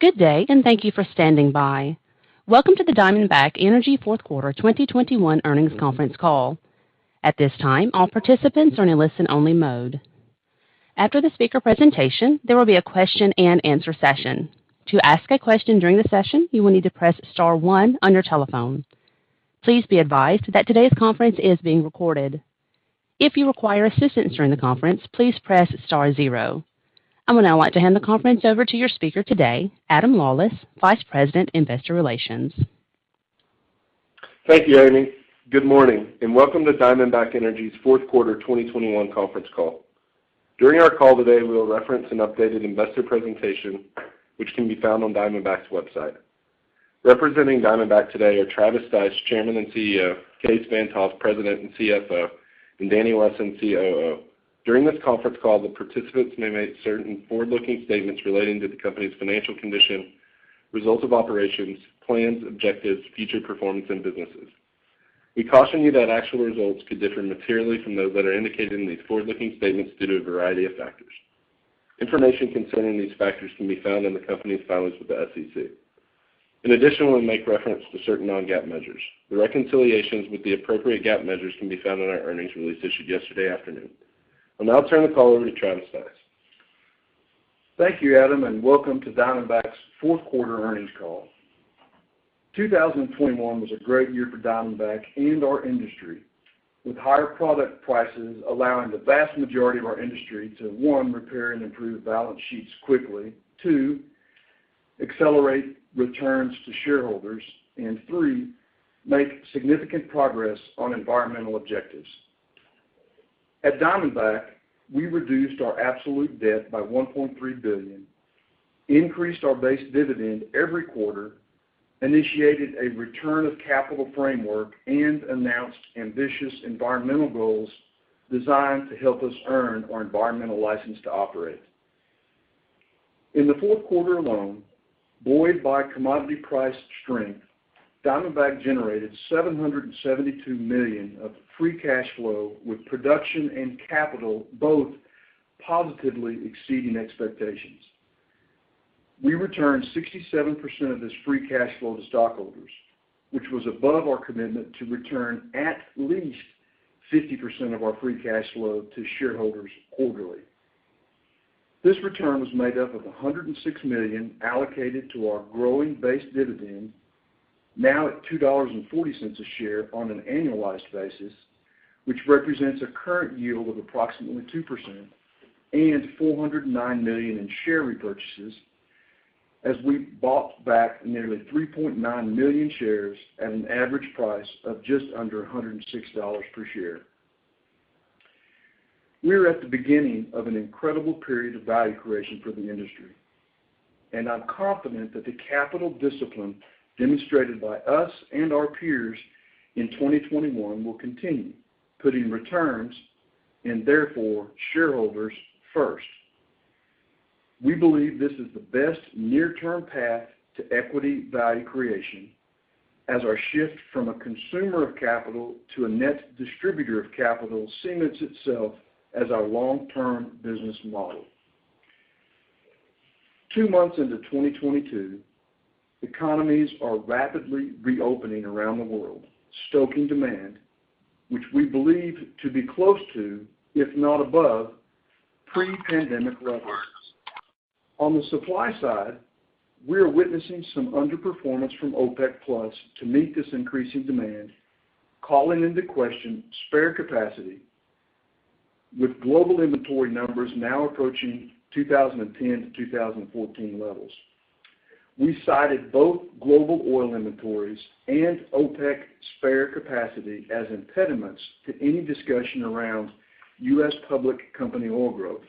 Good day, and thank you for standing by. Welcome to the Diamondback Energy Fourth Quarter 2021 earnings conference call. At this time, all participants are in a listen-only mode. After the speaker presentation, there will be a question-and-answer session. To ask a question during the session, you will need to press star one on your telephone. Please be advised that today's conference is being recorded. If you require assistance during the conference, please press star zero. I would now like to hand the conference over to your speaker today, Adam Lawless, Vice President, Investor Relations. Thank you, Amy. Good morning, and welcome to Diamondback Energy's fourth quarter 2021 conference call. During our call today, we will reference an updated investor presentation which can be found on Diamondback's website. Representing Diamondback today are Travis Stice, Chairman and CEO, Kaes Van't Hof, President and CFO, and Danny Wesson, COO. During this conference call, the participants may make certain forward-looking statements relating to the company's financial condition, results of operations, plans, objectives, future performance, and businesses. We caution you that actual results could differ materially from those that are indicated in these forward-looking statements due to a variety of factors. Information concerning these factors can be found in the company's filings with the SEC. In addition, we'll make reference to certain non-GAAP measures. The reconciliations with the appropriate GAAP measures can be found in our earnings release issued yesterday afternoon. I'll now turn the call over to Travis Stice. Thank you, Adam, and welcome to Diamondback's fourth quarter earnings call. 2021 was a great year for Diamondback and our industry, with higher product prices allowing the vast majority of our industry to, one, repair and improve balance sheets quickly. Two, accelerate returns to shareholders. Three, make significant progress on environmental objectives. At Diamondback, we reduced our absolute debt by $1.3 billion, increased our base dividend every quarter, initiated a return of capital framework, and announced ambitious environmental goals designed to help us earn our environmental license to operate. In the fourth quarter alone, buoyed by commodity price strength, Diamondback generated $772 million of free cash flow, with production and capital both positively exceeding expectations. We returned 67% of this free cash flow to stockholders, which was above our commitment to return at least 50% of our free cash flow to shareholders quarterly. This return was made up of $106 million allocated to our growing base dividend, now at $2.40 a share on an annualized basis, which represents a current yield of approximately 2%, and $409 million in share repurchases as we bought back nearly 3.9 million shares at an average price of just under $106 per share. We are at the beginning of an incredible period of value creation for the industry, and I'm confident that the capital discipline demonstrated by us and our peers in 2021 will continue, putting returns, and therefore shareholders, first. We believe this is the best near-term path to equity value creation as our shift from a consumer of capital to a net distributor of capital cements itself as our long-term business model. Two months into 2022, economies are rapidly reopening around the world, stoking demand, which we believe to be close to, if not above, pre-pandemic levels. On the supply side, we are witnessing some underperformance from OPEC+ to meet this increasing demand, calling into question spare capacity with global inventory numbers now approaching 2010 to 2014 levels. We cited both global oil inventories and OPEC+ spare capacity as impediments to any discussion around U.S. public company oil growth,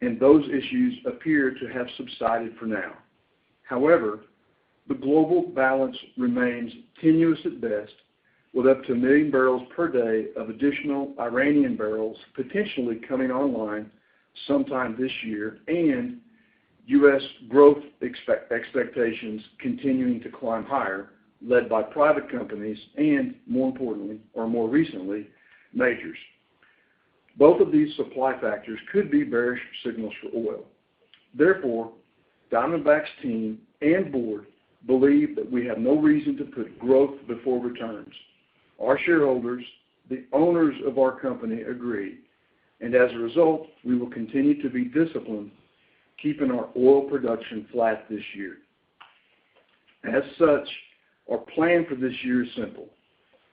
and those issues appear to have subsided for now. However, the global balance remains tenuous at best, with up to a million barrels per day of additional Iranian barrels potentially coming online sometime this year and U.S. growth expectations continuing to climb higher, led by private companies and, more importantly or more recently, majors. Both of these supply factors could be bearish signals for oil. Therefore, Diamondback's team and board believe that we have no reason to put growth before returns. Our shareholders, the owners of our company, agree. As a result, we will continue to be disciplined, keeping our oil production flat this year. As such, our plan for this year is simple.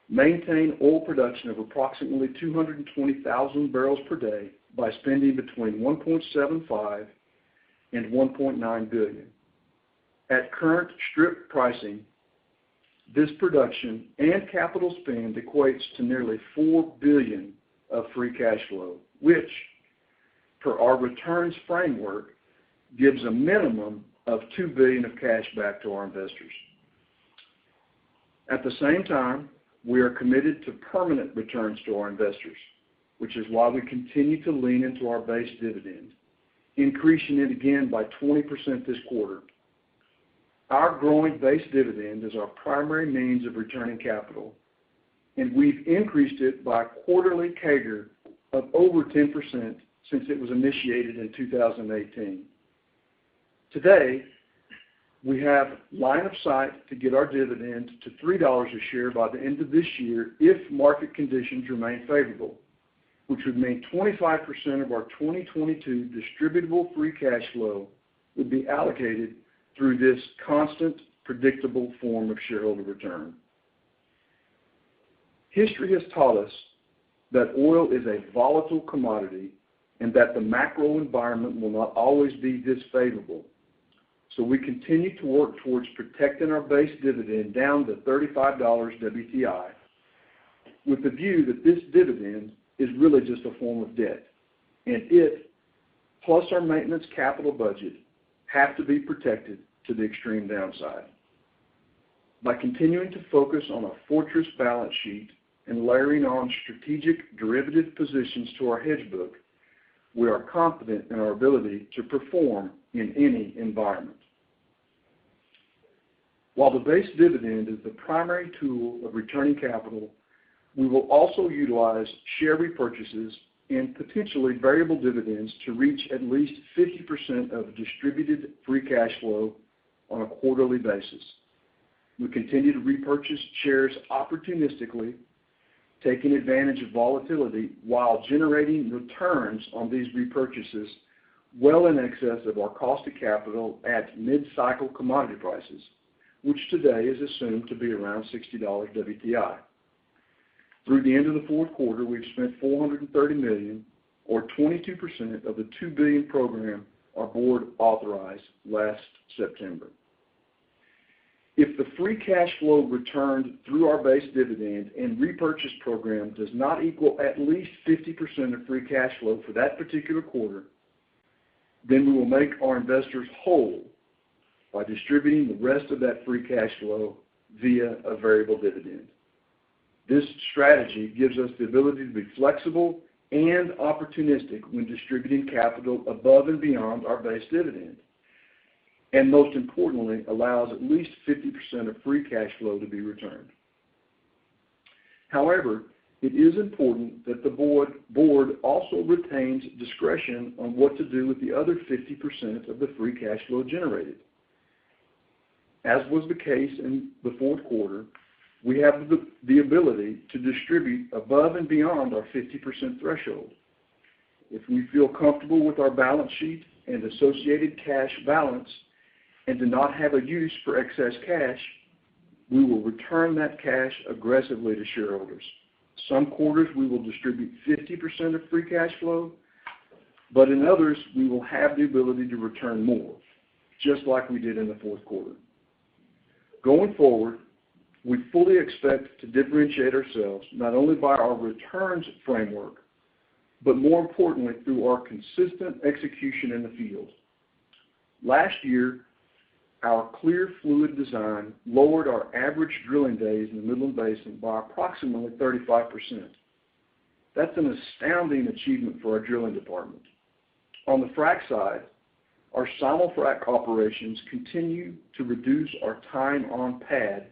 Maintain oil production of approximately 220,000 bbl per day by spending between $1.75 billion and $1.9 billion. At current strip pricing, this production and capital spend equates to nearly $4 billion of free cash flow, which for our returns framework gives a minimum of $2 billion of cash back to our investors. At the same time, we are committed to permanent returns to our investors, which is why we continue to lean into our base dividend, increasing it again by 20% this quarter. Our growing base dividend is our primary means of returning capital, and we've increased it by a quarterly CAGR of over 10% since it was initiated in 2018. Today, we have line of sight to get our dividend to $3 a share by the end of this year if market conditions remain favorable, which would mean 25% of our 2022 distributable free cash flow would be allocated through this constant, predictable form of shareholder return. History has taught us that oil is a volatile commodity and that the macro environment will not always be this favorable. We continue to work towards protecting our base dividend down to $35 WTI, with the view that this dividend is really just a form of debt, and it, plus our maintenance capital budget, have to be protected to the extreme downside. By continuing to focus on a fortress balance sheet and layering on strategic derivative positions to our hedge book, we are confident in our ability to perform in any environment. While the base dividend is the primary tool of returning capital, we will also utilize share repurchases and potentially variable dividends to reach at least 50% of distributed free cash flow on a quarterly basis. We continue to repurchase shares opportunistically, taking advantage of volatility while generating returns on these repurchases well in excess of our cost of capital at mid-cycle commodity prices, which today is assumed to be around $60 WTI. Through the end of the fourth quarter, we've spent $430 million or 22% of the $2 billion program our board authorized last September. If the free cash flow returned through our base dividend and repurchase program does not equal at least 50% of free cash flow for that particular quarter, then we will make our investors whole by distributing the rest of that free cash flow via a variable dividend. This strategy gives us the ability to be flexible and opportunistic when distributing capital above and beyond our base dividend, and most importantly, allows at least 50% of free cash flow to be returned. However, it is important that the board also retains discretion on what to do with the other 50% of the free cash flow generated. As was the case in the fourth quarter, we have the ability to distribute above and beyond our 50% threshold. If we feel comfortable with our balance sheet and associated cash balance and do not have a use for excess cash, we will return that cash aggressively to shareholders. Some quarters, we will distribute 50% of free cash flow, but in others, we will have the ability to return more, just like we did in the fourth quarter. Going forward, we fully expect to differentiate ourselves not only by our returns framework, but more importantly, through our consistent execution in the field. Last year, our clear fluid design lowered our average drilling days in the Midland Basin by approximately 35%. That's an astounding achievement for our drilling department. On the frack side, our simulfrac operations continue to reduce our time on pad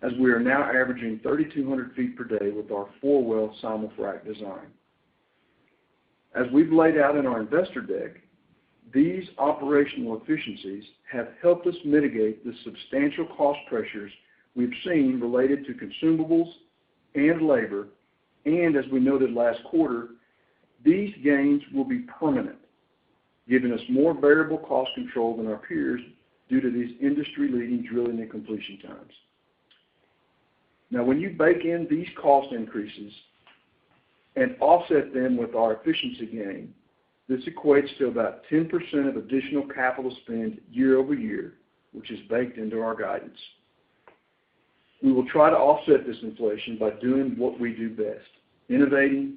as we are now averaging 3,200 ft per day with our four-well simulfrac design. As we've laid out in our investor deck, these operational efficiencies have helped us mitigate the substantial cost pressures we've seen related to consumables and labor. As we noted last quarter, these gains will be permanent, giving us more variable cost control than our peers due to these industry-leading drilling and completion times. Now, when you bake in these cost increases and offset them with our efficiency gain, this equates to about 10% of additional capital spend year-over-year, which is baked into our guidance. We will try to offset this inflation by doing what we do best, innovating,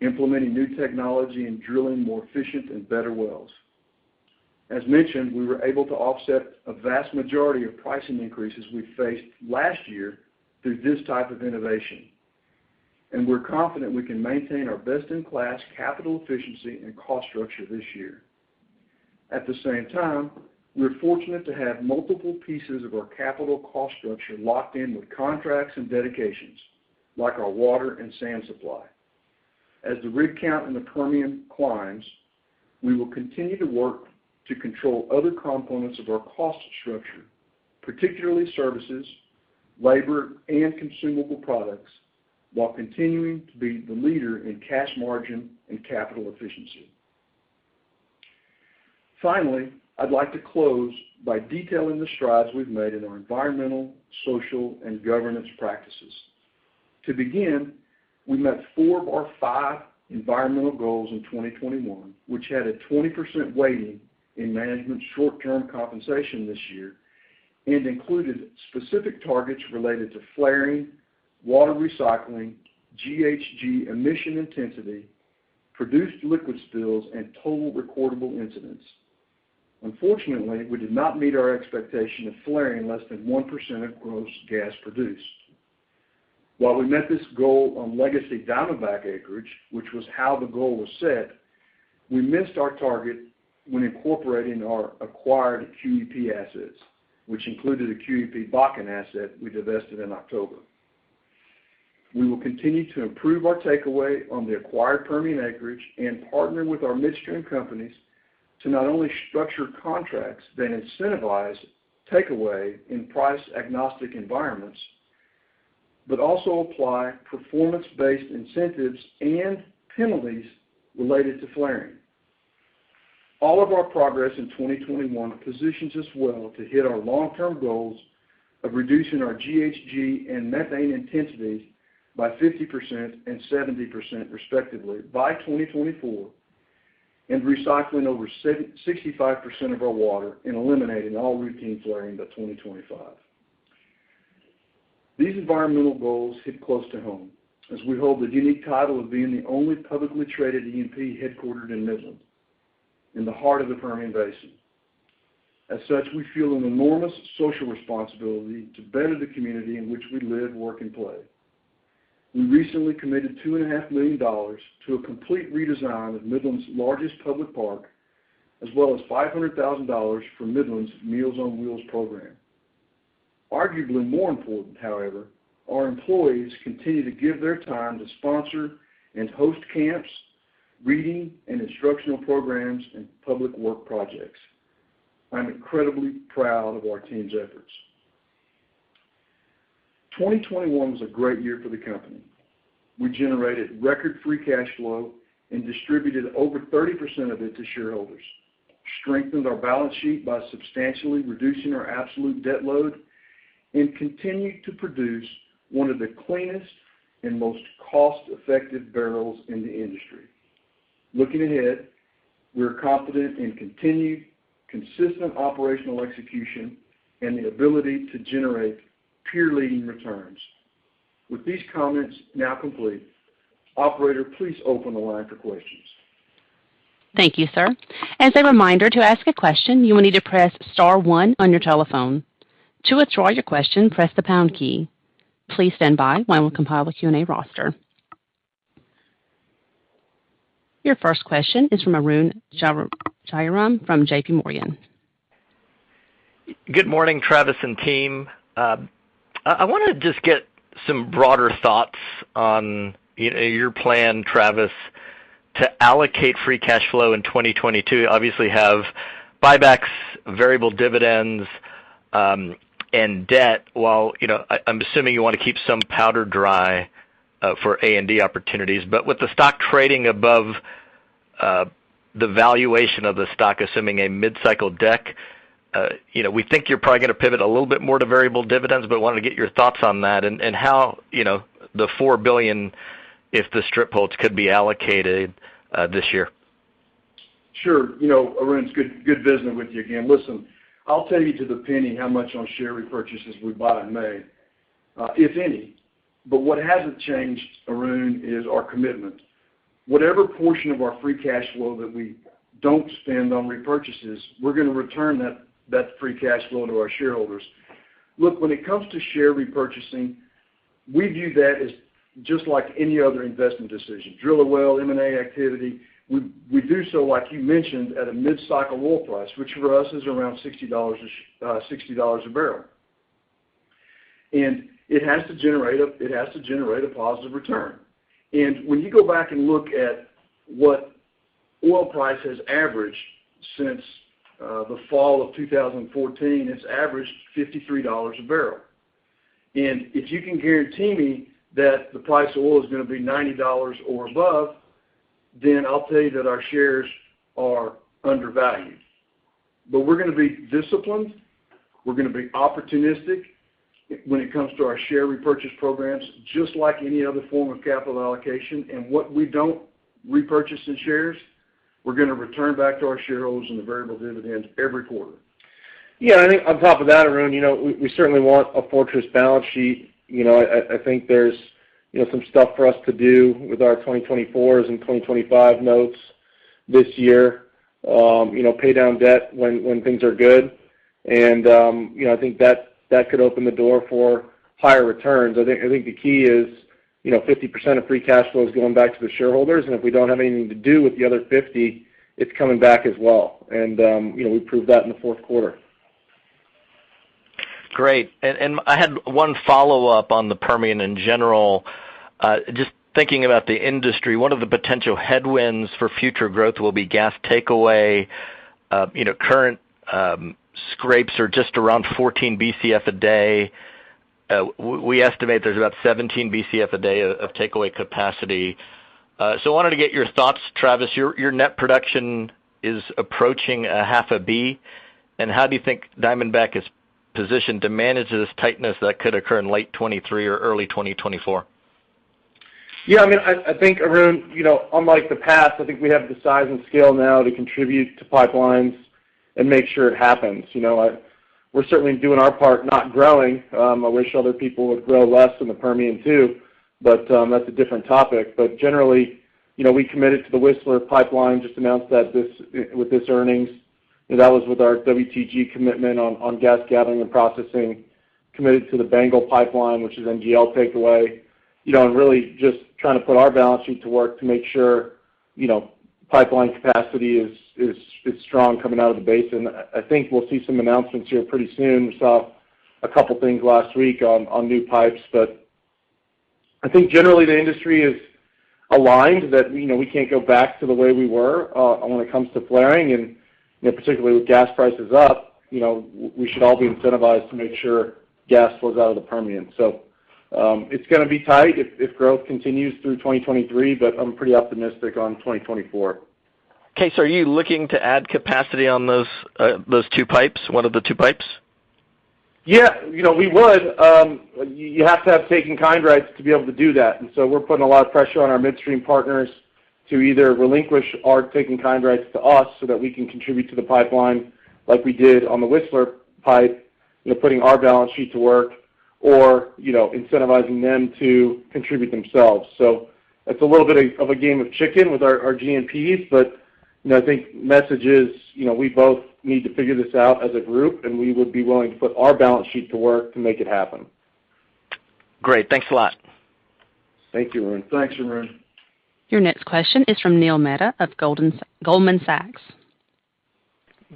implementing new technology, and drilling more efficient and better wells. As mentioned, we were able to offset a vast majority of pricing increases we faced last year through this type of innovation, and we're confident we can maintain our best-in-class capital efficiency and cost structure this year. At the same time, we're fortunate to have multiple pieces of our capital cost structure locked in with contracts and dedications, like our water and sand supply. As the rig count in the Permian climbs, we will continue to work to control other components of our cost structure, particularly services, labor, and consumable products, while continuing to be the leader in cash margin and capital efficiency. Finally, I'd like to close by detailing the strides we've made in our environmental, social, and governance practices. To begin, we met four of our five environmental goals in 2021, which had a 20% weighting in management short-term compensation this year and included specific targets related to flaring, water recycling, GHG emission intensity, produced liquid spills, and total recordable incidents. Unfortunately, we did not meet our expectation of flaring less than 1% of gross gas produced. While we met this goal on legacy Diamondback acreage, which was how the goal was set, we missed our target when incorporating our acquired QEP assets, which included a QEP Bakken asset we divested in October. We will continue to improve our takeaway on the acquired Permian acreage and partner with our midstream companies to not only structure contracts that incentivize takeaway in price-agnostic environments, but also apply performance-based incentives and penalties related to flaring. All of our progress in 2021 positions us well to hit our long-term goals of reducing our GHG and methane intensity by 50% and 70% respectively by 2024, and recycling over 65% of our water and eliminating all routine flaring by 2025. These environmental goals hit close to home, as we hold the unique title of being the only publicly traded E&P headquartered in Midland, in the heart of the Permian Basin. As such, we feel an enormous social responsibility to better the community in which we live, work, and play. We recently committed $2.5 million to a complete redesign of Midland's largest public park, as well as $500,000 for Midland's Meals on Wheels program. Arguably more important, however, our employees continue to give their time to sponsor and host camps, reading and instructional programs, and public work projects. I'm incredibly proud of our team's efforts. 2021 was a great year for the company. We generated record free cash flow and distributed over 30% of it to shareholders, strengthened our balance sheet by substantially reducing our absolute debt load, and continued to produce one of the cleanest and most cost-effective barrels in the industry. Looking ahead, we're confident in continued consistent operational execution and the ability to generate peer-leading returns. With these comments now complete, operator, please open the line for questions. Thank you, sir. As a reminder, to ask a question, you will need to press star one on your telephone. To withdraw your question, press the pound key. Please stand by while we compile the Q&A roster. Your first question is from Arun Jayaram from J.P. Morgan. Good morning, Travis and team. I wanna just get some broader thoughts on, you know, your plan, Travis, to allocate free cash flow in 2022. You obviously have buybacks, variable dividends, and debt, while, you know, I'm assuming you wanna keep some powder dry for A&D opportunities. With the stock trading above the valuation of the stock, assuming a mid-cycle deck, you know, we think you're probably gonna pivot a little bit more to variable dividends, but wanted to get your thoughts on that and how, you know, the $4 billion, if the strip holds, could be allocated this year. Sure. You know, Arun, it's good visiting with you again. Listen, I'll tell you to the penny how much on share repurchases we buy in May, if any. But what hasn't changed, Arun, is our commitment. Whatever portion of our free cash flow that we don't spend on repurchases, we're gonna return that free cash flow to our shareholders. Look, when it comes to share repurchasing, we view that as just like any other investment decision. Drill a well, M&A activity, we do so, like you mentioned, at a mid-cycle oil price, which for us is around $60 a barrel. It has to generate a positive return. When you go back and look at what oil price has averaged since the fall of 2014, it's averaged $53 a barrel. If you can guarantee me that the price of oil is gonna be $90 or above, then I'll tell you that our shares are undervalued. We're gonna be disciplined, we're gonna be opportunistic when it comes to our share repurchase programs, just like any other form of capital allocation. What we don't repurchase in shares, we're gonna return back to our shareholders in the variable dividends every quarter. Yeah, I think on top of that, Arun, you know, we certainly want a fortress balance sheet. You know, I think there's, you know, some stuff for us to do with our 2024s and 2025 notes this year. You know, pay down debt when things are good. You know, I think that could open the door for higher returns. I think the key is, you know, 50% of free cash flow is going back to the shareholders, and if we don't have anything to do with the other 50%, it's coming back as well. You know, we proved that in the fourth quarter. Great. I had one follow-up on the Permian in general. Just thinking about the industry, one of the potential headwinds for future growth will be gas takeaway. Current receipts are just around 14 Bcf a day. We estimate there's about 17 Bcf a day of takeaway capacity. I wanted to get your thoughts, Travis. Your net production is approaching half a Bcf. How do you think Diamondback is positioned to manage this tightness that could occur in late 2023 or early 2024? Yeah. I mean, I think, Arun, you know, unlike the past, I think we have the size and scale now to contribute to pipelines and make sure it happens. You know, I—we're certainly doing our part not growing. I wish other people would grow less in the Permian too, but that's a different topic. Generally, you know, we committed to the Whistler Pipeline, just announced that this with this earnings. That was with our WTG commitment on gas gathering and processing committed to the BANGL Pipeline, which is NGL takeaway. You know, and really just trying to put our balance sheet to work to make sure, you know, pipeline capacity is strong coming out of the basin. I think we'll see some announcements here pretty soon. We saw a couple things last week on new pipes. I think generally the industry is aligned that, you know, we can't go back to the way we were when it comes to flaring and, you know, particularly with gas prices up, you know, we should all be incentivized to make sure gas flows out of the Permian. It's gonna be tight if growth continues through 2023, but I'm pretty optimistic on 2024. Okay. Are you looking to add capacity on those one of the two pipes? Yeah, you know, we would. You have to have take-in-kind rights to be able to do that. We're putting a lot of pressure on our midstream partners to either relinquish our take-in-kind rights to us so that we can contribute to the pipeline like we did on the Whistler Pipeline, you know, putting our balance sheet to work or, you know, incentivizing them to contribute themselves. It's a little bit of a game of chicken with our G&Ps, but, you know, I think the message is, you know, we both need to figure this out as a group, and we would be willing to put our balance sheet to work to make it happen. Great. Thanks a lot. Thank you, Arun. Thanks, Arun. Your next question is from Neil Mehta of Goldman Sachs.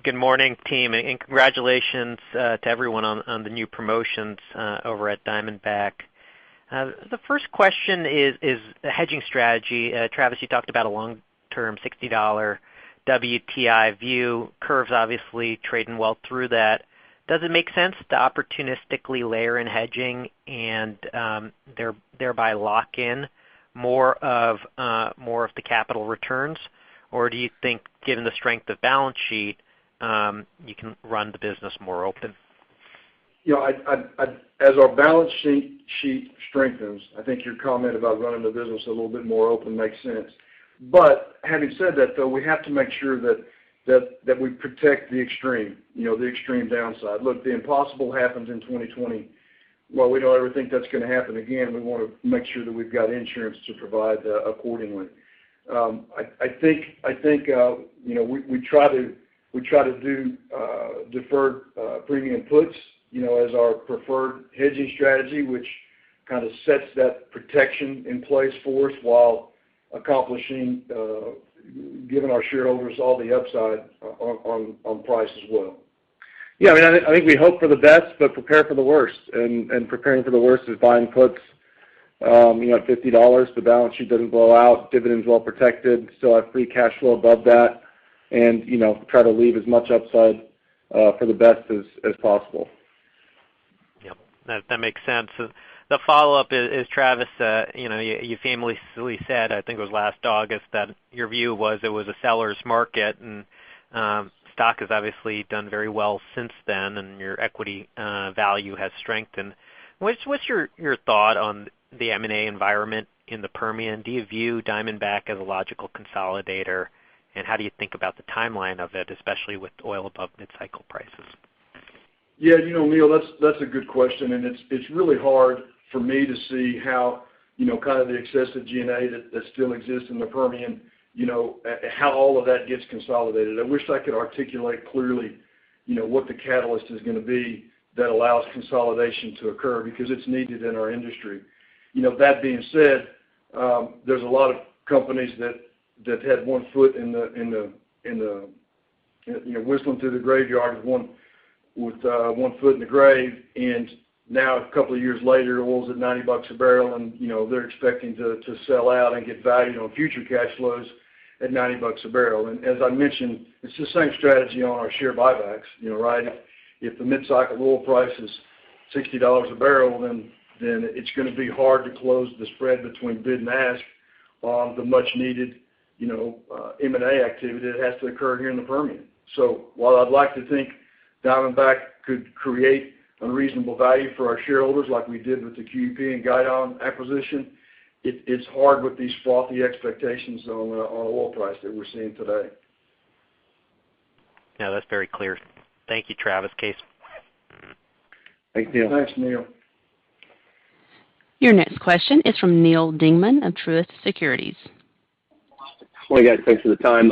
Good morning, team, and congratulations to everyone on the new promotions over at Diamondback. The first question is the hedging strategy. Travis, you talked about a long-term $60 WTI view. Curves obviously trading well through that. Does it make sense to opportunistically layer in hedging and thereby lock in more of the capital returns? Or do you think given the strength of balance sheet you can run the business more open? You know, I'd as our balance sheet strengthens, I think your comment about running the business a little bit more open makes sense. Having said that, though, we have to make sure that we protect the extreme use case, you know, the extreme downside. Look, the impossible happened in 2020. While we don't ever think that's gonna happen again, we wanna make sure that we've got insurance to provide accordingly. I think, you know, we try to do deferred premium puts, you know, as our preferred hedging strategy, which kind of sets that protection in place for us while accomplishing giving our shareholders all the upside on price as well. Yeah. I mean, I think we hope for the best but prepare for the worst. Preparing for the worst is buying puts, you know, at $50. The balance sheet doesn't blow out. Dividends well protected. Still have free cash flow above that and, you know, try to leave as much upside for the best as possible. Yep, that makes sense. The follow-up is Travis, you know, you famously said, I think it was last August, that your view was it was a seller's market, and stock has obviously done very well since then, and your equity value has strengthened. What's your thought on the M&A environment in the Permian? Do you view Diamondback as a logical consolidator, and how do you think about the timeline of it, especially with oil above mid-cycle prices? Yeah, you know, Neil, that's a good question, and it's really hard for me to see how, you know, kind of the excessive G&A that still exists in the Permian, you know, how all of that gets consolidated. I wish I could articulate clearly, you know, what the catalyst is gonna be that allows consolidation to occur because it's needed in our industry. You know, that being said, there's a lot of companies that had 1 ft in the, in the, you know, whistling through the graveyard with 1 ft in the grave. Now a couple of years later, oil's at $90 a barrel and, you know, they're expecting to sell out and get value on future cash flows at $90 a barrel. As I mentioned, it's the same strategy on our share buybacks, you know, right? If the mid-cycle oil price is $60 a barrel, then it's gonna be hard to close the spread between bid and ask on the much-needed, you know, M&A activity that has to occur here in the Permian. While I'd like to think Diamondback could create unreasonable value for our shareholders like we did with the QEP and Guidon acquisition, it's hard with these frothy expectations on oil price that we're seeing today. No, that's very clear. Thank you, Travis, Kaes. Thanks, Neil. Thanks, Neil. Your next question is from Neal Dingmann of Truist Securities. Morning, guys. Thanks for the time.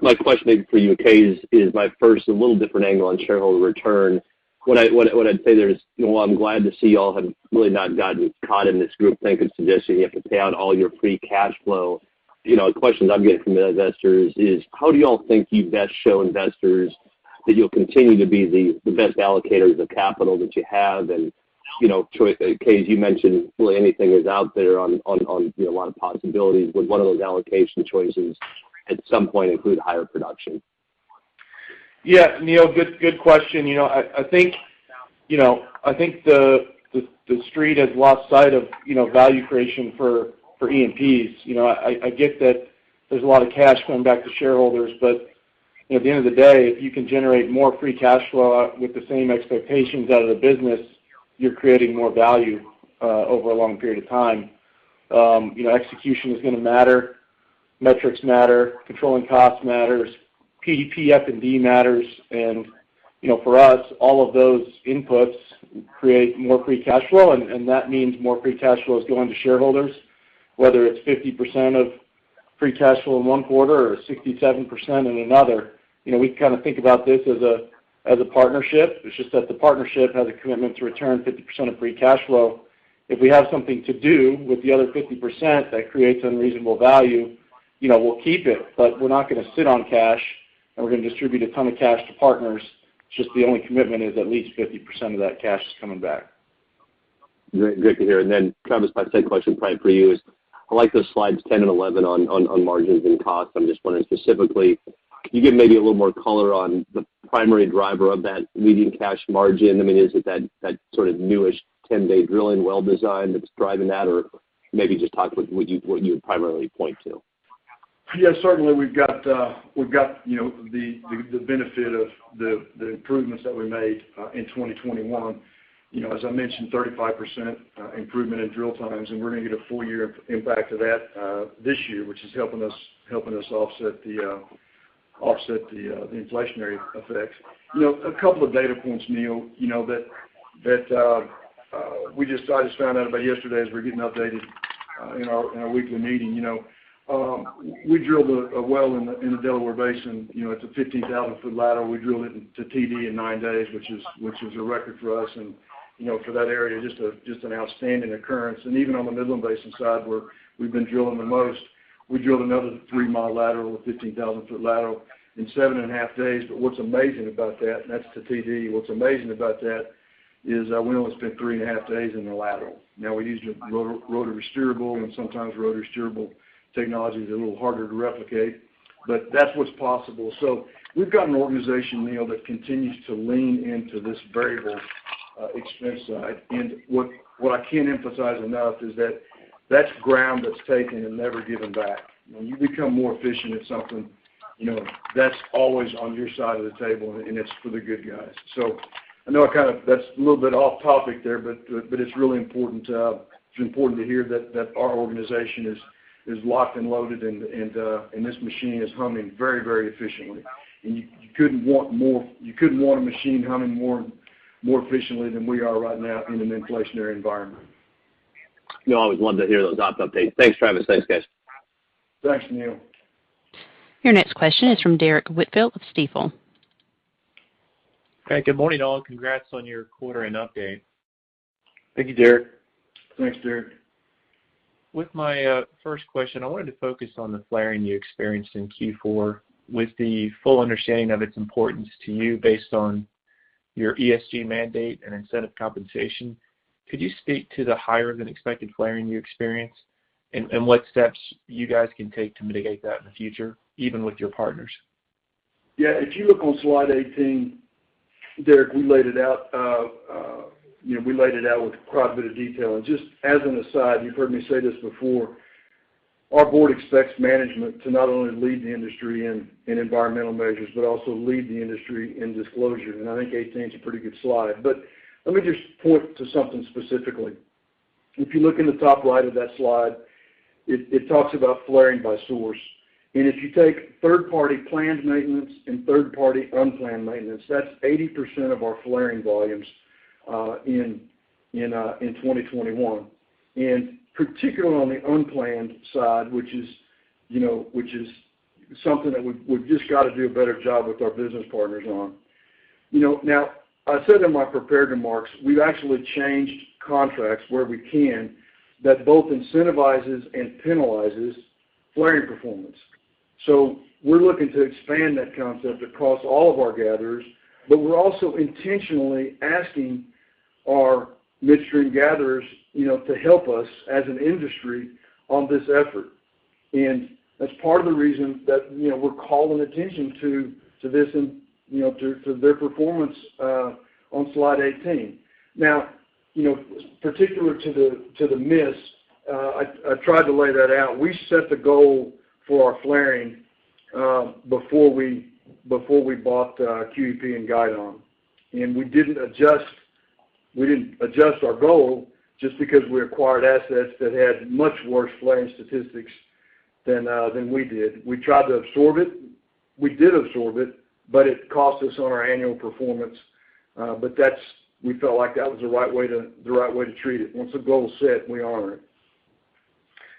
My question maybe for you, Kaes, is my first a little different angle on shareholder return. What I'd say there is, you know, I'm glad to see y'all have really not gotten caught in this group think and suggesting you have to pay out all your free cash flow. You know, the questions I'm getting from investors is, how do y'all think you best show investors that you'll continue to be the best allocators of capital that you have? You know, choice Kaes, you mentioned really anything is out there on, you know, a lot of possibilities. Would one of those allocation choices at some point include higher production? Yeah, Neal, good question. You know, I think the Street has lost sight of value creation for E&Ps. You know, I get that there's a lot of cash going back to shareholders, but, you know, at the end of the day, if you can generate more free cash flow with the same expectations out of the business, you're creating more value over a long period of time. You know, execution is gonna matter, metrics matter, controlling cost matters, PF&D matters, and, you know, for us, all of those inputs create more free cash flow, and that means more free cash flow is going to shareholders. Whether it's 50% of free cash flow in one quarter or 67% in another, you know, we kind of think about this as a partnership. It's just that the partnership has a commitment to return 50% of free cash flow. If we have something to do with the other 50% that creates unreasonable value, you know, we'll keep it, but we're not gonna sit on cash, and we're gonna distribute a ton of cash to partners. It's just the only commitment is at least 50% of that cash is coming back. Great to hear. Travis, my second question probably for you is, I like those slides 10 and 11 on margins and costs. I'm just wondering specifically, can you give maybe a little more color on the primary driver of that median cash margin? I mean, is it that sort of newish 10-day drilling well design that's driving that? Or maybe just talk what you would primarily point to? Yeah, certainly we've got, you know, the benefit of the improvements that we made in 2021. You know, as I mentioned, 35% improvement in drill times, and we're gonna get a full year impact of that this year, which is helping us offset the inflationary effects. You know, a couple of data points, Neal, you know, that we just I just found out about yesterday as we're getting updated in our weekly meeting, you know. We drilled a well in the Delaware Basin, you know, it's a 15,000 ft lateral. We drilled it to TD in nine days, which is a record for us and, you know, for that area, just an outstanding occurrence. Even on the Midland Basin side where we've been drilling the most, we drilled another 3-mile lateral, a 15,000 ft lateral in 7.5 days. What's amazing about that, and that's the TD. What's amazing about that is, we only spent 3.5 days in the lateral. Now we used a rotary steerable, and sometimes rotary steerable technology is a little harder to replicate, but that's what's possible. We've got an organization, Neil, that continues to lean into this variable expense side. What I can't emphasize enough is that that's ground that's taken and never given back. When you become more efficient at something, you know, that's always on your side of the table, and it's for the good guys. I know that's a little bit off topic there, but it's really important to hear that our organization is locked and loaded and this machine is humming very efficiently. You couldn't want a machine humming more efficiently than we are right now in an inflationary environment. No, I always wanted to hear those op updates. Thanks, Travis. Thanks, guys. Thanks, Neal. Your next question is from Derrick Whitfield of Stifel. Hey, good morning, all. Congrats on your quarter and update. Thank you, Derrick. Thanks, Derrick. With my first question, I wanted to focus on the flaring you experienced in Q4 with the full understanding of its importance to you based on your ESG mandate and incentive compensation. Could you speak to the higher than expected flaring you experienced and what steps you guys can take to mitigate that in the future, even with your partners? Yeah. If you look on slide 18, Derrick, we laid it out, you know, with quite a bit of detail. Just as an aside, you've heard me say this before, our board expects management to not only lead the industry in environmental measures, but also lead the industry in disclosure. I think 18's a pretty good slide. Let me just point to something specifically. If you look in the top right of that slide, it talks about flaring by source. If you take third-party planned maintenance and third-party unplanned maintenance, that's 80% of our flaring volumes in 2021. Particularly on the unplanned side, which is, you know, something that we've just got to do a better job with our business partners on. You know, now I said in my prepared remarks, we've actually changed contracts where we can that both incentivizes and penalizes flaring performance. We're looking to expand that concept across all of our gatherers, but we're also intentionally asking our midstream gatherers, you know, to help us as an industry on this effort. That's part of the reason that, you know, we're calling attention to this and, you know, to their performance on slide 18. Now, particular to the miss, I tried to lay that out. We set the goal for our flaring before we bought QEP and Guidon. We didn't adjust our goal just because we acquired assets that had much worse flaring statistics than we did. We tried to absorb it. We did absorb it, but it cost us on our annual performance. That's. We felt like that was the right way to treat it. Once a goal is set, we honor it.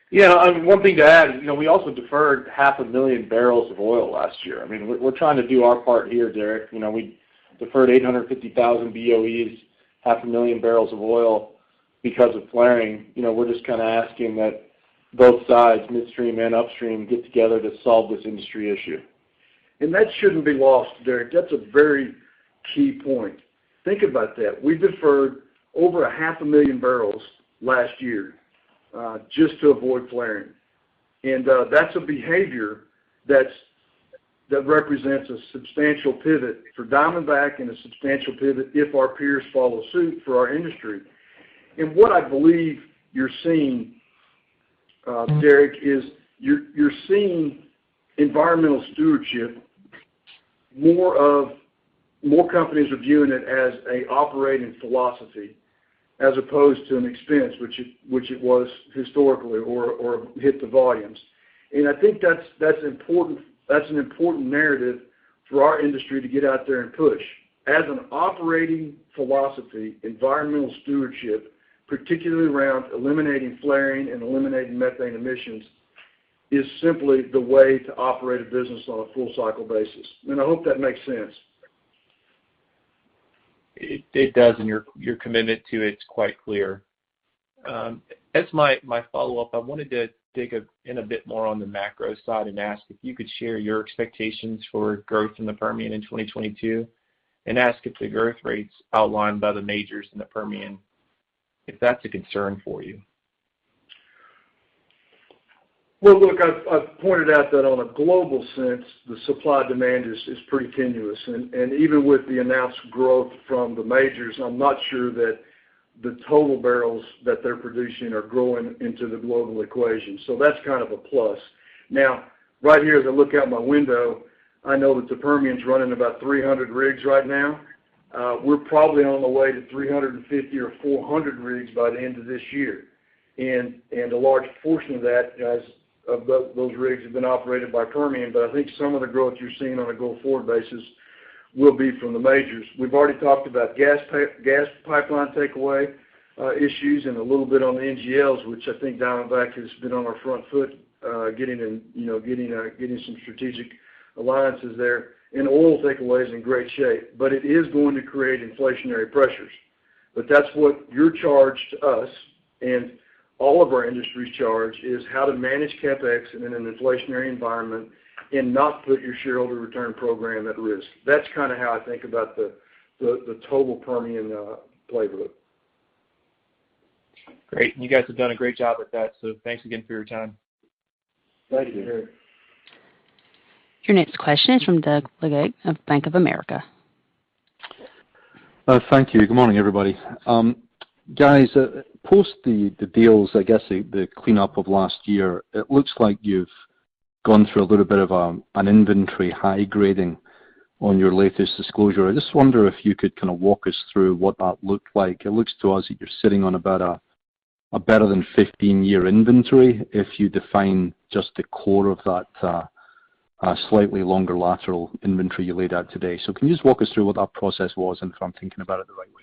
Yeah. One thing to add, you know, we also deferred 500,000 bbl of oil last year. I mean, we're trying to do our part here, Derrick. You know, we deferred 850,000 BOE, 500,000 bbl of oil because of flaring. You know, we're just kind of asking that both sides, midstream and upstream, get together to solve this industry issue. That shouldn't be lost, Derrick. That's a very key point. Think about that. We deferred over 500,000 bbl last year just to avoid flaring. That's a behavior that represents a substantial pivot for Diamondback and a substantial pivot if our peers follow suit for our industry. What I believe you're seeing, Derrick, is you're seeing environmental stewardship, more companies are viewing it as an operating philosophy as opposed to an expense, which it was historically or hit the volumes. I think that's an important narrative for our industry to get out there and push. As an operating philosophy, environmental stewardship, particularly around eliminating flaring and eliminating methane emissions, is simply the way to operate a business on a full cycle basis. I hope that makes sense. It does, and your commitment to it is quite clear. As my follow-up, I wanted to dig in a bit more on the macro side and ask if you could share your expectations for growth in the Permian in 2022, and ask if the growth rates outlined by the majors in the Permian, if that's a concern for you. Well, look, I've pointed out that on a global sense, the supply-demand is pretty tenuous. Even with the announced growth from the majors, I'm not sure that the total barrels that they're producing are growing into the global equation. That's kind of a plus. Now, right here, as I look out my window, I know that the Permian's running about 300 rigs right now. We're probably on the way to 350 or 400 rigs by the end of this year. A large portion of that of those rigs have been operated by Permian, but I think some of the growth you're seeing on a go-forward basis will be from the majors. We've already talked about gas pipeline takeaway issues and a little bit on the NGLs, which I think Diamondback has been on the front foot getting in, you know, getting some strategic alliances there. Oil takeaway is in great shape, but it is going to create inflationary pressures. That's what your charge to us and all of our industry's charge is how to manage CapEx in an inflationary environment and not put your shareholder return program at risk. That's kinda how I think about the total Permian playbook. Great. You guys have done a great job with that. Thanks again for your time. Thank you. Thank you. Your next question is from Doug Leggate of Bank of America. Thank you. Good morning, everybody. Guys, post the deals, I guess the cleanup of last year, it looks like you've gone through a little bit of an inventory high grading on your latest disclosure. I just wonder if you could kind of walk us through what that looked like. It looks to us that you're sitting on about a better than 15-year inventory, if you define just the core of that, slightly longer lateral inventory you laid out today. Can you just walk us through what that process was and if I'm thinking about it the right way?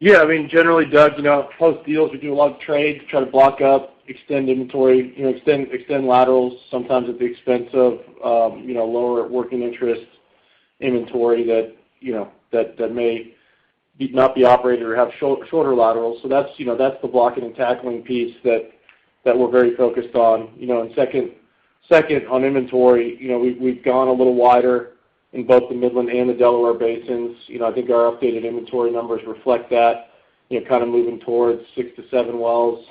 Yeah. I mean, generally, Doug, you know, post deals, we do a lot of trades to try to block up, extend inventory, you know, extend laterals sometimes at the expense of, you know, lower working interest inventory that, you know, that may not be operated or have shorter laterals. So that's, you know, the blocking and tackling piece that we're very focused on. You know, and second, on inventory, you know, we've gone a little wider in both the Midland and the Delaware Basins. You know, I think our updated inventory numbers reflect that, you know, kind of moving towards six to seven wells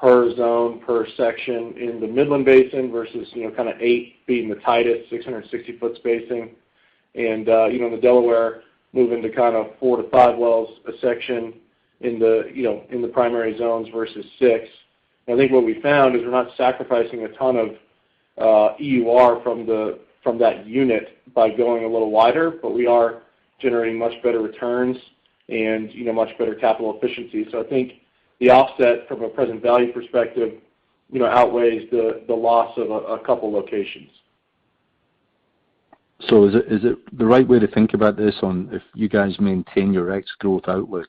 per zone, per section in the Midland Basin versus, you know, kind of eight being the tightest, 660 ft spacing. In the Delaware, moving to kind of four to five wells a section in the, you know, in the primary zones versus 6. I think what we found is we're not sacrificing a ton of EUR from that unit by going a little wider, but we are generating much better returns and, you know, much better capital efficiency. I think the offset from a present value perspective, you know, outweighs the loss of a couple locations. Is it the right way to think about this or if you guys maintain your existing growth outlook,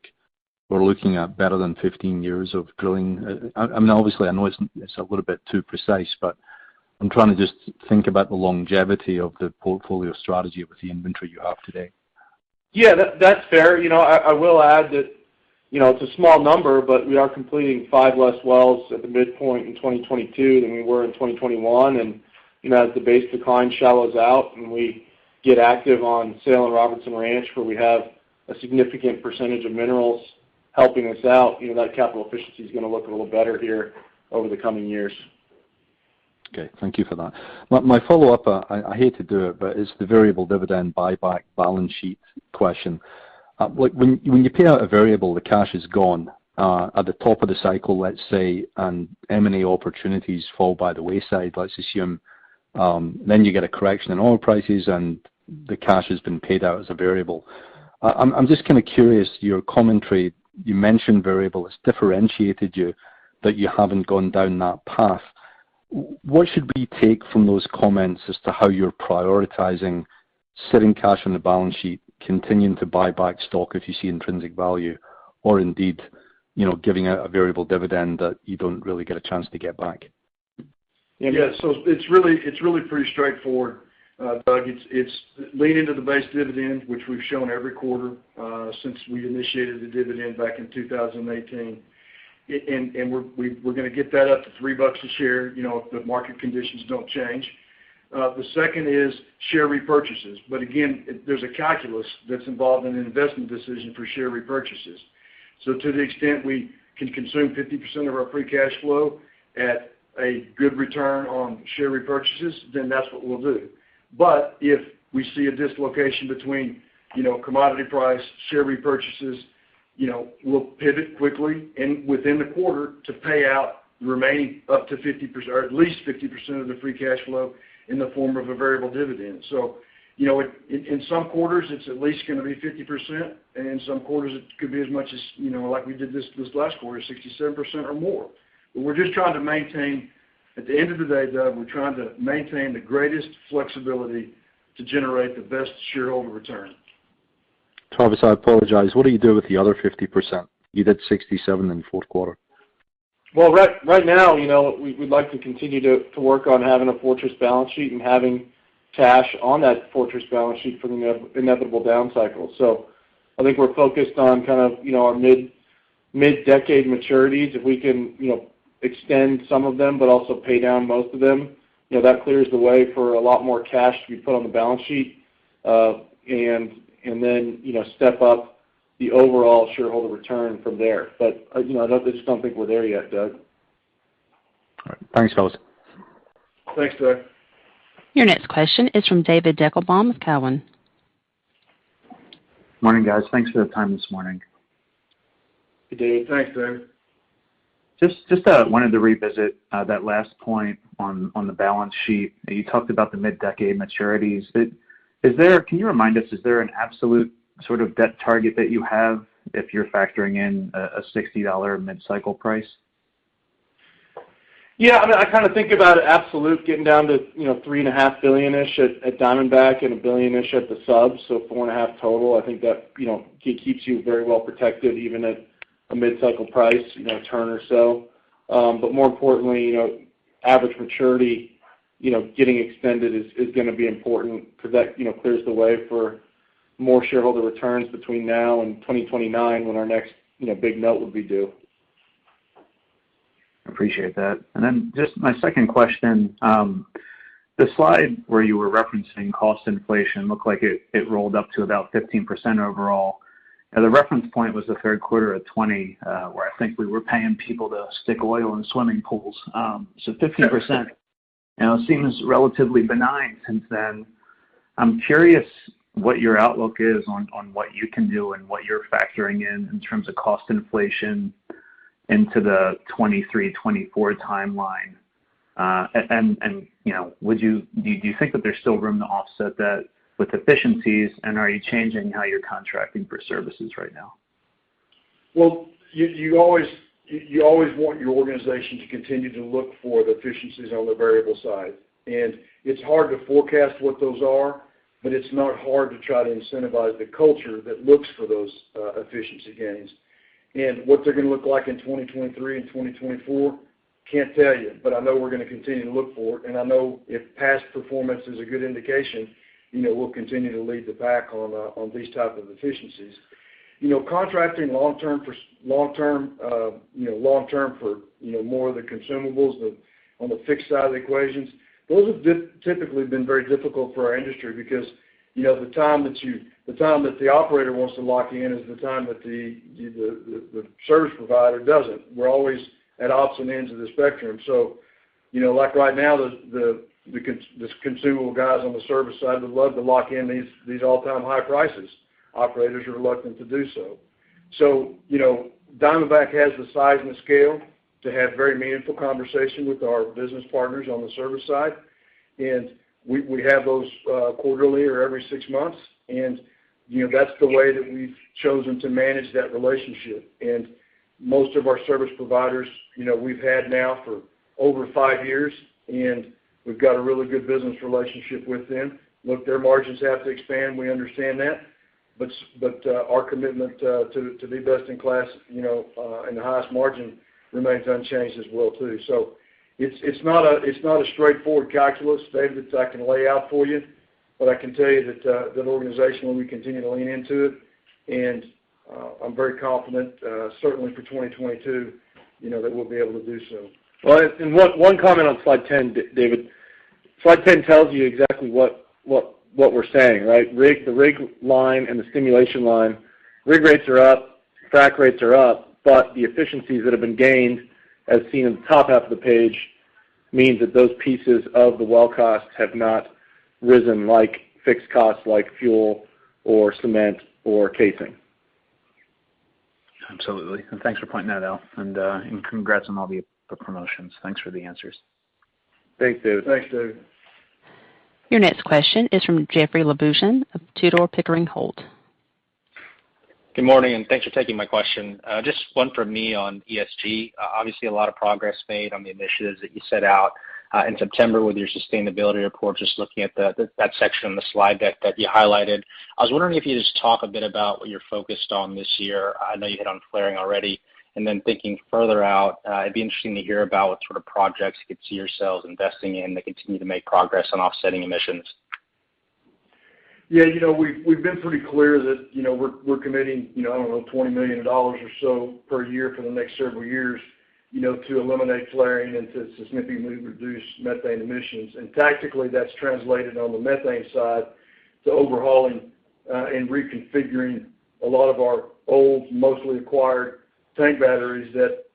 we're looking at better than 15 years of growing. I mean, obviously, I know it's a little bit too precise, but I'm trying to just think about the longevity of the portfolio strategy with the inventory you have today. Yeah, that's fair. You know, I will add that, you know, it's a small number, but we are completing five less wells at the midpoint in 2022 than we were in 2021. You know, as the base decline shallows out and we get active on Sale and Robertson Ranch, where we have a significant percentage of minerals helping us out, you know, that capital efficiency is gonna look a little better here over the coming years. Okay. Thank you for that. My follow-up, I hate to do it, but it's the variable dividend buyback balance sheet question. Like when you pay out a variable, the cash is gone at the top of the cycle, let's say, and M&A opportunities fall by the wayside, let's assume, then you get a correction in oil prices and the cash has been paid out as a variable. I'm just kinda curious, your commentary, you mentioned variable has differentiated you, but you haven't gone down that path. What should we take from those comments as to how you're prioritizing sitting cash on the balance sheet, continuing to buy back stock if you see intrinsic value, or indeed, you know, giving out a variable dividend that you don't really get a chance to get back? Yeah. It's really pretty straightforward, Doug. It's leaning to the base dividend, which we've shown every quarter, since we initiated the dividend back in 2018. We're gonna get that up to $3 a share, you know, if the market conditions don't change. The second is share repurchases. Again, there's a calculus that's involved in an investment decision for share repurchases. To the extent we can consume 50% of our free cash flow at a good return on share repurchases, then that's what we'll do. If we see a dislocation between, you know, commodity price, share repurchases, you know, we'll pivot quickly and within the quarter to pay out the remaining up to 50%, or at least 50% of the free cash flow in the form of a variable dividend. You know, it in some quarters, it's at least gonna be 50%, and in some quarters it could be as much as, you know, like we did this last quarter, 67% or more. We're just trying to maintain. At the end of the day, Doug, we're trying to maintain the greatest flexibility To generate the best shareholder return. Travis, I apologize. What do you do with the other 50%? You did 67% in the fourth quarter. Well, right now, you know, we'd like to continue to work on having a fortress balance sheet and having cash on that fortress balance sheet for the inevitable down cycle. I think we're focused on kind of, you know, our mid-decade maturities. If we can, you know, extend some of them but also pay down most of them, you know, that clears the way for a lot more cash to be put on the balance sheet. And then, you know, step up the overall shareholder return from there. You know, I just don't think we're there yet, Doug. All right. Thanks, fellas. Thanks, Doug. Your next question is from David Deckelbaum with Cowen. Morning, guys. Thanks for the time this morning. Good day. Thanks, David. Just wanted to revisit that last point on the balance sheet. You talked about the mid-decade maturities. Can you remind us, is there an absolute sort of debt target that you have if you're factoring in a $60 mid-cycle price? Yeah. I mean, I kind of think about absolute getting down to, you know, $3.5 billion-ish at Diamondback and $1 billion-ish at the sub, so $4.5 billion total. I think that, you know, keeps you very well protected even at a mid-cycle price, you know, turn or so. More importantly, you know, average maturity, you know, getting extended is gonna be important 'cause that, you know, clears the way for more shareholder returns between now and 2029 when our next, you know, big note would be due. Appreciate that. Then just my second question. The slide where you were referencing cost inflation looked like it rolled up to about 15% overall. Now, the reference point was the third quarter of 2020, where I think we were paying people to stick oil in swimming pools. 15%, you know, seems relatively benign since then. I'm curious what your outlook is on what you can do and what you're factoring in in terms of cost inflation into the 2023, 2024 timeline. You know, do you think that there's still room to offset that with efficiencies, and are you changing how you're contracting for services right now? Well, you always want your organization to continue to look for the efficiencies on the variable side. It's hard to forecast what those are, but it's not hard to try to incentivize the culture that looks for those efficiency gains. What they're gonna look like in 2023 and 2024, can't tell you, but I know we're gonna continue to look for it. I know if past performance is a good indication, you know, we'll continue to lead the pack on these type of efficiencies. You know, contracting long-term for more of the consumables on the fixed side of the equations, those have typically been very difficult for our industry because the time that the operator wants to lock in is the time that the service provider doesn't. We're always at opposite ends of the spectrum. You know, like right now, the consumable guys on the service side would love to lock in these all-time high prices. Operators are reluctant to do so. You know, Diamondback has the size and the scale to have very meaningful conversation with our business partners on the service side, and we have those quarterly or every six months. You know, that's the way that we've chosen to manage that relationship. Most of our service providers, you know, we've had now for over five years, and we've got a really good business relationship with them. Look, their margins have to expand, we understand that, but our commitment to be best in class, you know, and the highest margin remains unchanged as well too. It's not a straightforward calculus, David, that I can lay out for you, but I can tell you that organizationally, we continue to lean into it, and I'm very confident, certainly for 2022, you know, that we'll be able to do so. Well, one comment on slide 10, David. Slide 10 tells you exactly what we're saying, right? The rig line and the stimulation line. Rig rates are up, frac rates are up, but the efficiencies that have been gained, as seen in the top half of the page, means that those pieces of the well costs have not risen like fixed costs like fuel or cement or casing. Absolutely. Thanks for pointing that out. Congrats on all the promotions. Thanks for the answers. Thanks, David. Thanks, David. Your next question is from Jeoffrey Lambujon of Tudor, Pickering, Holt & Co. Good morning, and thanks for taking my question. Just one for me on ESG. Obviously, a lot of progress made on the initiatives that you set out in September with your sustainability report, just looking at the, that section on the slide deck that you highlighted. I was wondering if you could just talk a bit about what you're focused on this year. I know you hit on flaring already. Thinking further out, it'd be interesting to hear about what sort of projects you could see yourselves investing in that continue to make progress on offsetting emissions. You know, we've been pretty clear that, you know, we're committing, you know, I don't know, $20 million or so per year for the next several years, you know, to eliminate flaring and to significantly reduce methane emissions. Tactically, that's translated on the methane side to overhauling and reconfiguring a lot of our old, mostly acquired tank batteries that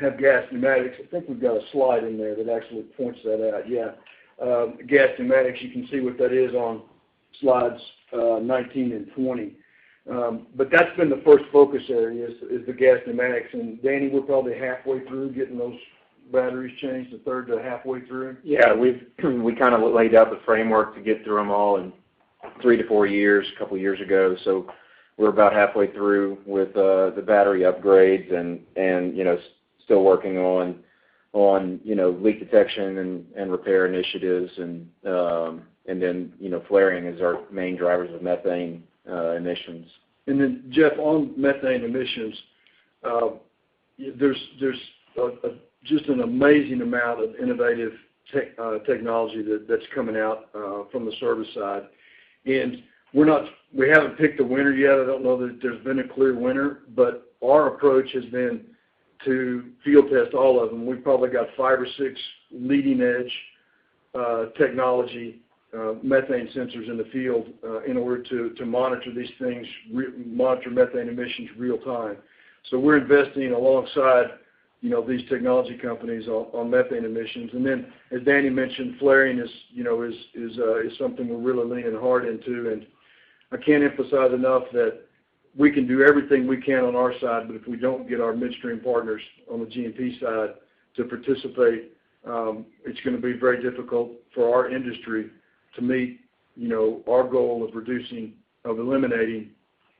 have gas pneumatic. I think we've got a slide in there that actually points that out. Gas pneumatic, you can see what that is on slides 19 and 20. But that's been the first focus area is the gas pneumatic. Danny, we're probably halfway through getting those batteries changed, a third to halfway through. Yeah. We've kinda laid out the framework to get through them all and three to four years, a couple years ago. We're about halfway through with the battery upgrades and, you know, still working on, you know, leak detection and repair initiatives and, then, you know, flaring is our main drivers of methane emissions. Then Jeff, on methane emissions, there's just an amazing amount of innovative tech, technology that's coming out from the service side. We haven't picked a winner yet. I don't know that there's been a clear winner, but our approach has been to field test all of them. We've probably got five or six leading-edge technology methane sensors in the field in order to monitor these things, monitor methane emissions real time. We're investing alongside, you know, these technology companies on methane emissions. As Danny mentioned, flaring is, you know, something we're really leaning hard into. I can't emphasize enough that we can do everything we can on our side, but if we don't get our midstream partners on the G&P side to participate, it's gonna be very difficult for our industry to meet, you know, our goal of reducing, eliminating,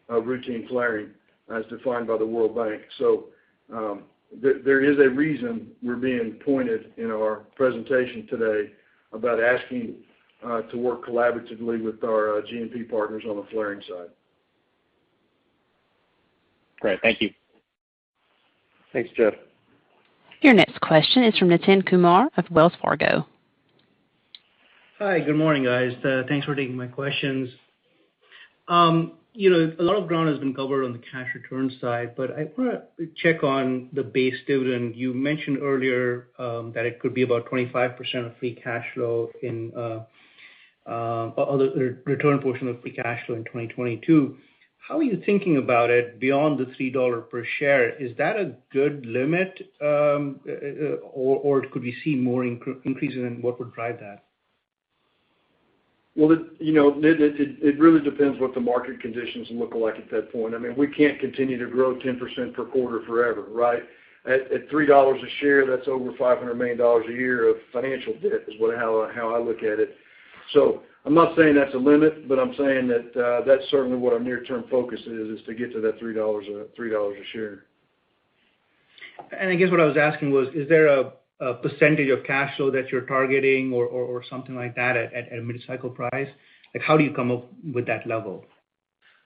routine flaring as defined by the World Bank. There is a reason we're being pointed in our presentation today about asking to work collaboratively with our G&P partners on the flaring side. Great. Thank you. Thanks, Jeff. Your next question is from Nitin Kumar of Wells Fargo. Hi. Good morning, guys. Thanks for taking my questions. You know, a lot of ground has been covered on the cash return side, but I wanna check on the base dividend. You mentioned earlier that it could be about 25% of free cash flow in other return portion of free cash flow in 2022. How are you thinking about it beyond the $3 per share? Is that a good limit, or could we see more increases, and what would drive that? Well, you know, it really depends what the market conditions look like at that point. I mean, we can't continue to grow 10% per quarter forever, right? At $3 a share, that's over $500 million a year of financial debt, is what, how I look at it. I'm not saying that's a limit, but I'm saying that that's certainly what our near-term focus is to get to that $3 a share. I guess what I was asking was, is there a percentage of cash flow that you're targeting or something like that at a mid-cycle price? Like, how do you come up with that level?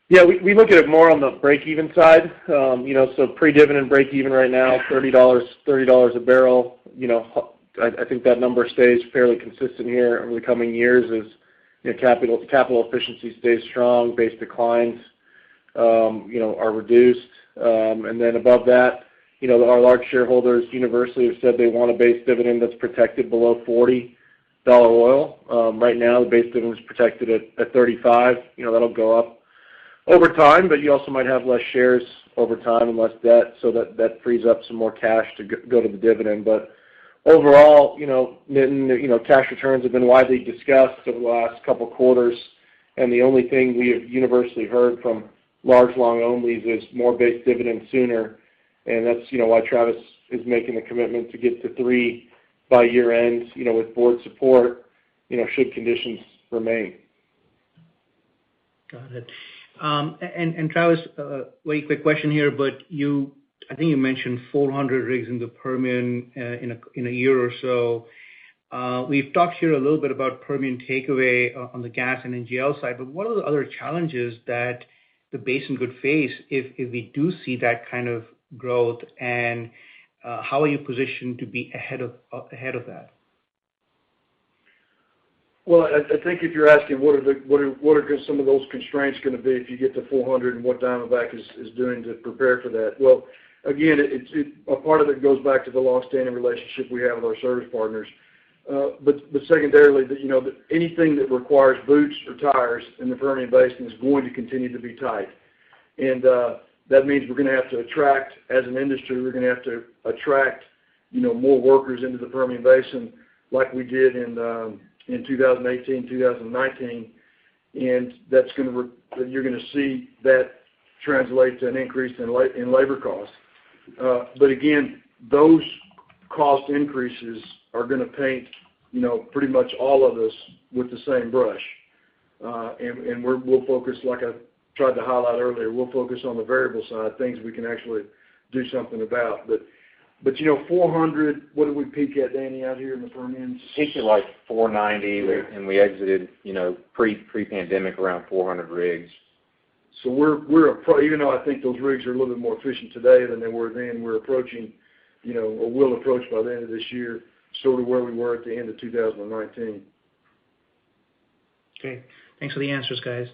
Yeah. We look at it more on the breakeven side. You know, so pre-dividend breakeven right now, $30 a barrel. You know, I think that number stays fairly consistent here over the coming years as, you know, capital efficiency stays strong, base declines are reduced. And then above that, you know, our large shareholders universally have said they want a base dividend that's protected below $40 oil. Right now, the base dividend is protected at $35. You know, that'll go up over time, but you also might have less shares over time and less debt, so that frees up some more cash to go to the dividend. Overall, you know, Nitin, you know, cash returns have been widely discussed over the last couple quarters, and the only thing we have universally heard from large long-onlys is more base dividends sooner. That's, you know, why Travis is making the commitment to get to three by year-end, you know, with board support, you know, should conditions remain. Got it. Travis, really quick question here, but I think you mentioned 400 rigs in the Permian in a year or so. We've talked here a little bit about Permian takeaway on the gas and NGL side, but what are the other challenges that the basin could face if we do see that kind of growth, and how are you positioned to be ahead of that? I think if you're asking what are some of those constraints gonna be if you get to 400 and what Diamondback is doing to prepare for that. Again, it's a part of it goes back to the longstanding relationship we have with our service partners. But secondarily, you know, anything that requires boots or tires in the Permian Basin is going to continue to be tight. That means as an industry, we're gonna have to attract you know more workers into the Permian Basin like we did in 2018, 2019. You're gonna see that translate to an increase in labor costs. But again, those cost increases are gonna paint you know pretty much all of us with the same brush. We'll focus, like I tried to highlight earlier, we'll focus on the variable side, things we can actually do something about. You know, 400, what did we peak at, Danny, out here in the Permian? Peaked at, like, $4.90. Yeah. We exited, you know, pre-pandemic around 400 rigs. Even though I think those rigs are a little bit more efficient today than they were then, we're approaching, you know, or will approach by the end of this year, sort of where we were at the end of 2019. Okay. Thanks for the answers, guys.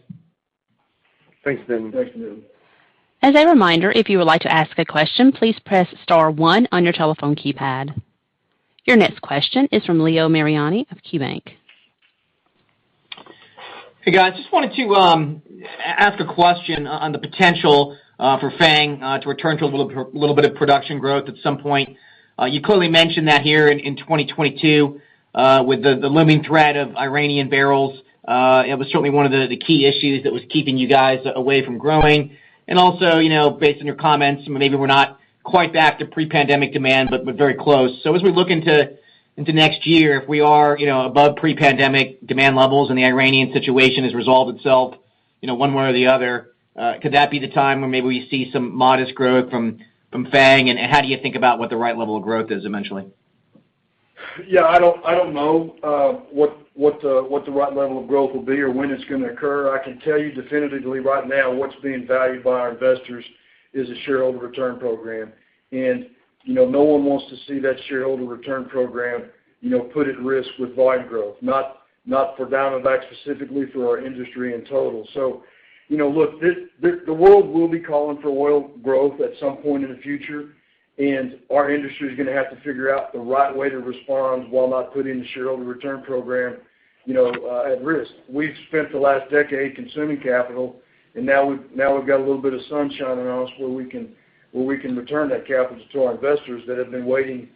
Thanks, Nitin. Thanks, Nitin. As a reminder, if you would like to ask a question, please press star one on your telephone keypad. Your next question is from Leo Mariani of KeyBanc Capital Markets. Hey, guys. Just wanted to ask a question on the potential for FANG to return to a little bit of production growth at some point. You clearly mentioned that here in 2022 with the looming threat of Iranian barrels, it was certainly one of the key issues that was keeping you guys away from growing. Also, you know, based on your comments, maybe we're not quite back to pre-pandemic demand, but very close. As we look into next year, if we are, you know, above pre-pandemic demand levels and the Iranian situation has resolved itself, you know, one way or the other, could that be the time where maybe we see some modest growth from FANG? How do you think about what the right level of growth is eventually? Yeah, I don't know what the right level of growth will be or when it's gonna occur. I can tell you definitively right now what's being valued by our investors is a shareholder return program. You know, no one wants to see that shareholder return program put at risk with volume growth, not for Diamondback specifically, for our industry in total. You know, look, the world will be calling for oil growth at some point in the future, and our industry is gonna have to figure out the right way to respond while not putting the shareholder return program at risk. We've spent the last decade consuming capital, and now we've got a little bit of sunshine around us where we can return that capital to our investors that have been waiting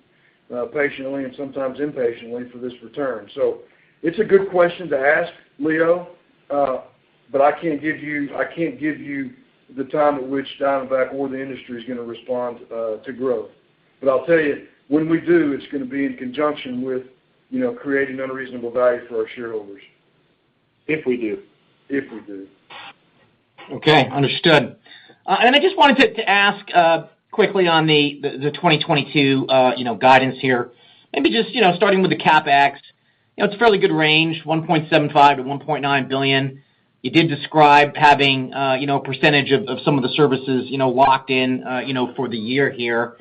patiently and sometimes impatiently for this return. It's a good question to ask, Leo, but I can't give you the time at which Diamondback or the industry is gonna respond to growth. I'll tell you, when we do, it's gonna be in conjunction with, you know, creating unreasonable value for our shareholders. If we do. If we do. Okay, understood. I just wanted to ask quickly on the 2022 guidance here, maybe just starting with the CapEx. You know, it's a fairly good range, $1.75 billion to $1.9 billion. You did describe having a percentage of some of the services locked in for the year here.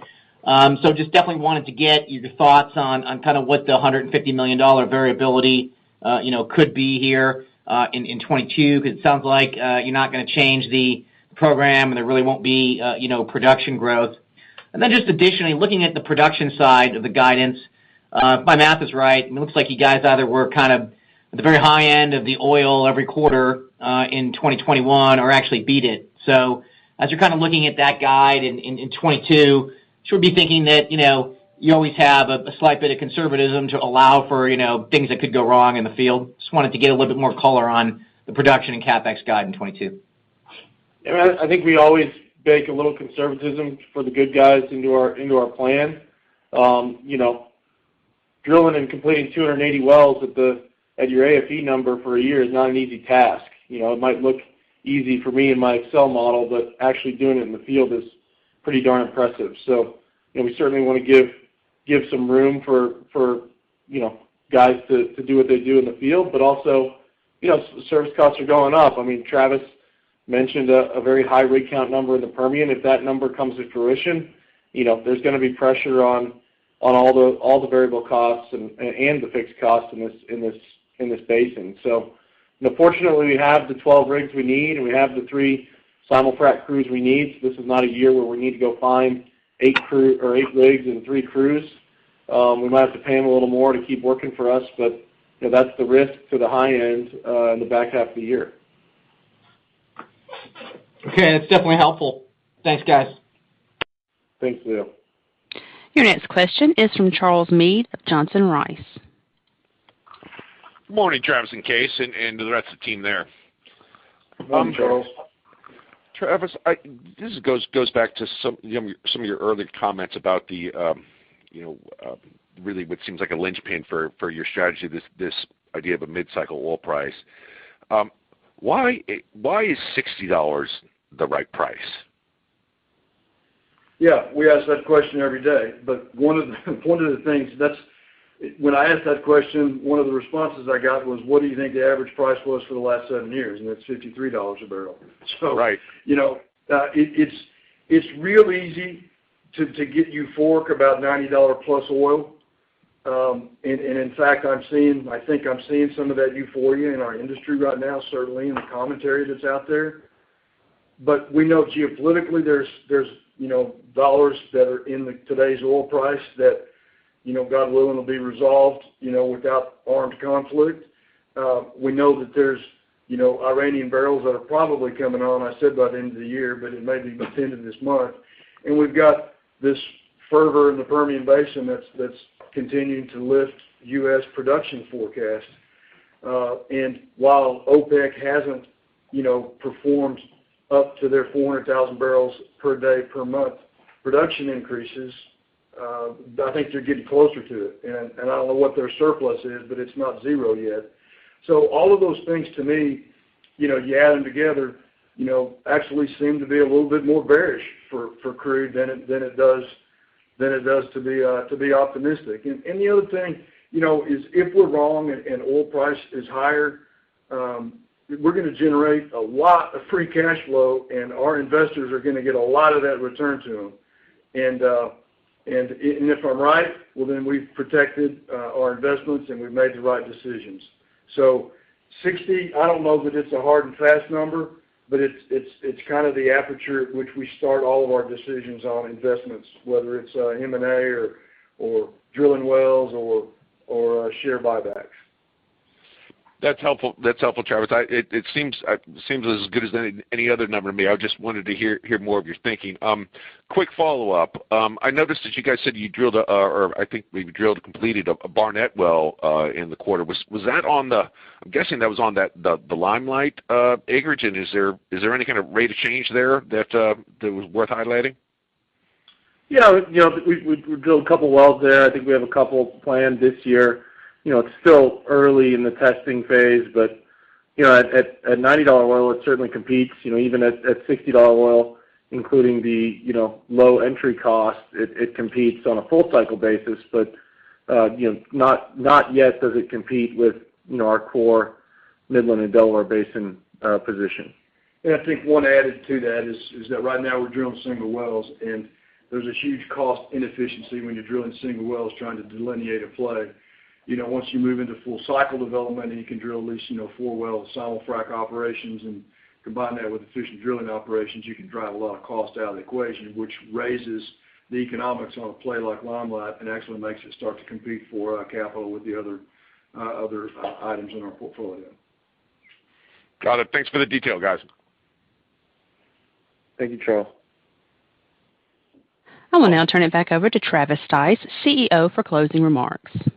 So just definitely wanted to get your thoughts on kind of what the $150 million variability could be here in 2022, 'cause it sounds like you're not gonna change the program, and there really won't be production growth. Then just additionally, looking at the production side of the guidance, if my math is right, it looks like you guys either were kind of at the very high end of the oil every quarter in 2021 or actually beat it. As you're kind of looking at that guide in 2022, should we be thinking that, you know, you always have a slight bit of conservatism to allow for, you know, things that could go wrong in the field? Just wanted to get a little bit more color on the production and CapEx guide in 2022. Yeah, I think we always bake a little conservatism for the good guys into our plan. You know, drilling and completing 280 wells at your AFE number for a year is not an easy task. You know, it might look easy for me in my Excel model, but actually doing it in the field is pretty darn impressive. You know, we certainly wanna give some room for, you know, guys to do what they do in the field, but also, you know, service costs are going up. I mean, Travis mentioned a very high rig count number in the Permian. If that number comes to fruition, you know, there's gonna be pressure on all the variable costs and the fixed costs in this basin. You know, fortunately, we have the 12 rigs we need, and we have the three simul-frac crews we need. This is not a year where we need to go find eight rigs and three crews. We might have to pay them a little more to keep working for us, but, you know, that's the risk to the high end in the back half of the year. Okay. That's definitely helpful. Thanks, guys. Thanks, Leo. Your next question is from Charles Meade of Johnson Rice. Good morning, Travis and Kaes and the rest of the team there. Good morning, Charles. Travis, this goes back to some, you know, some of your earlier comments about the, you know, really what seems like a linchpin for your strategy, this idea of a mid-cycle oil price. Why is $60 the right price? Yeah. We ask that question every day, but one of the things that's, when I ask that question, one of the responses I got was, "What do you think the average price was for the last seven years?" That's $53 a barrel. Right. You know, it's real easy to get euphoric about $90+ oil. In fact, I think I'm seeing some of that euphoria in our industry right now, certainly in the commentary that's out there. We know geopolitically there's you know, dollars that are in today's oil price that, you know, God willing, will be resolved, you know, without armed conflict. We know that there's you know, Iranian barrels that are probably coming on. I said by the end of the year, but it may be by the end of this month. We've got this fervor in the Permian Basin that's continuing to lift U.S. production forecasts. While OPEC hasn't you know, performed up to their 400,000 barrels per day per month production increases, I think they're getting closer to it. I don't know what their surplus is, but it's not zero yet. All of those things to me, you know, you add them together, you know, actually seem to be a little bit more bearish for crude than it does to be optimistic. The other thing, you know, is if we're wrong and oil price is higher, we're gonna generate a lot of free cash flow, and our investors are gonna get a lot of that return to them. If I'm right, well, then we've protected our investments, and we've made the right decisions. $60, I don't know that it's a hard and fast number, but it's kind of the aperture at which we start all of our decisions on investments, whether it's M&A or drilling wells or share buybacks. That's helpful, Travis. It seems as good as any other number to me. I just wanted to hear more of your thinking. Quick follow-up. I noticed that you guys said you drilled or I think maybe drilled and completed a Barnett well in the quarter. Was that on the Limelight acreage. I'm guessing that was on that. Is there any kind of rate of change there that was worth highlighting? Yeah. You know, we drilled a couple wells there. I think we have a couple planned this year. You know, it's still early in the testing phase, but you know, at $90 oil, it certainly competes, you know. Even at $60 oil, including the you know, low entry cost, it competes on a full cycle basis. You know, not yet does it compete with you know, our core Midland and Delaware Basin position. I think one added to that is that right now we're drilling single wells, and there's a huge cost inefficiency when you're drilling single wells trying to delineate a play. You know, once you move into full cycle development, and you can drill at least, you know, four wells, simul-frac operations, and combine that with efficient drilling operations, you can drive a lot of cost out of the equation, which raises the economics on a play like Limelight and actually makes it start to compete for capital with the other items in our portfolio. Got it. Thanks for the detail, guys. Thank you, Charles. I will now turn it back over to Travis Stice, CEO, for closing remarks. Thank you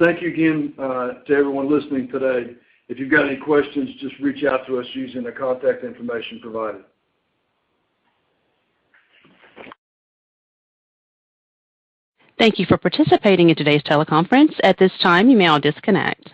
again, to everyone listening today. If you've got any questions, just reach out to us using the contact information provided. Thank you for participating in today's teleconference. At this time, you may all disconnect.